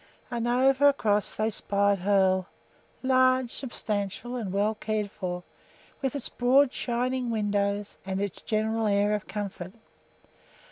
And over across they spied Hoel, large, substantial, and well cared for, with its broad, shining windows and its general air of comfort.